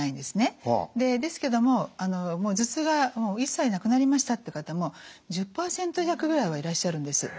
ですけども頭痛が一切なくなりましたって方も１０％弱ぐらいはいらっしゃるんです。